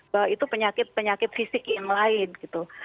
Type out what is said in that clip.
bahwa itu penyakit penyakit fisik yang lain gitu